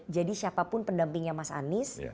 jadi siapapun pendampingnya mas anies